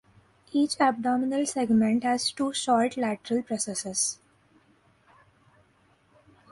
Each abdominal segment has two short lateral processes.